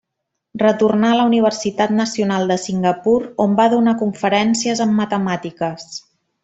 Retornà a la Universitat Nacional de Singapur, on va donar conferències en matemàtiques.